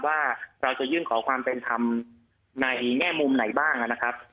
ว่าเราจะยื่นขอความเป็นธรรมในแง่มุมไหนบ้างนะครับ